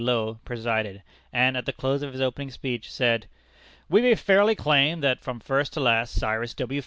Low, presided, and, at the close of his opening speech, said: "We may fairly claim that, from first to last, Cyrus W.